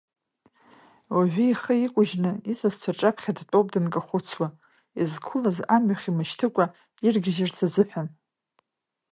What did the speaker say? Уажәы ихы иқәыжьны исасцәа рҿаԥхьа дтәоуп дынкахәцуа, изқәылаз амҩахь имышьҭыкәа иргьежьырц азыҳәан.